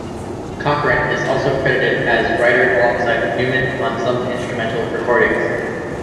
Cochran is also credited as writer alongside Newman on some instrumental recordings.